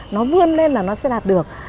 nó vươn lên là nó sẽ đạt được